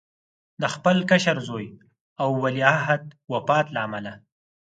د خپل کشر زوی او ولیعهد وفات له امله.